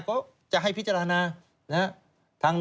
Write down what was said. ก็จะให้พิจารณา